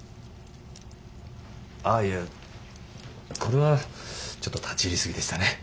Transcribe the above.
あいやこれはちょっと立ち入り過ぎでしたね。